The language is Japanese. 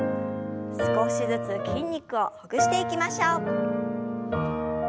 少しずつ筋肉をほぐしていきましょう。